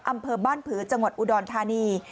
อำเภอบ้านผือจังหวัดอุดรธานี